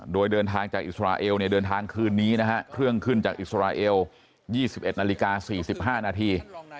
โดยเดินทางจากอิสราเอลเดินทางคืนนี้นะฮะเครื่องขึ้นจากอิสราเอล๒๑นาฬิกา๔๕นาที